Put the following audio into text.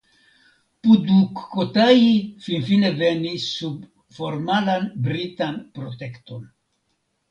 Pudukkotai finfine venis sub formalan britan protekton.